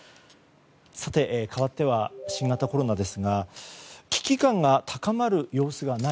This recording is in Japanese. さて、かわっては新型コロナですが危機感が高まる様子がない。